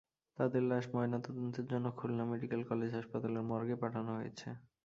তাঁদের লাশ ময়নাতদন্তের জন্য খুলনা মেডিকেল কলেজ হাসপাতালের মর্গে পাঠানো হয়েছে।